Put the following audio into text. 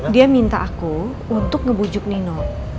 dia minta aku untuk ngebujuk nino